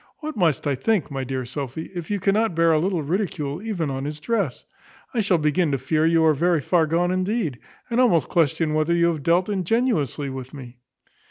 What must I think, my dear Sophy, if you cannot bear a little ridicule even on his dress? I shall begin to fear you are very far gone indeed; and almost question whether you have dealt ingenuously with me."